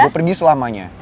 gue pergi selamanya